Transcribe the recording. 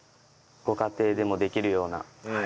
ご家庭でもできるような。